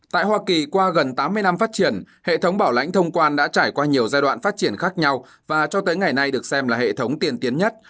tại hoa kỳ qua gần tám mươi năm phát triển hệ thống bảo lãnh thông quan đã trải qua nhiều giai đoạn phát triển khác nhau và cho tới ngày nay được xem là hệ thống tiền tiến nhất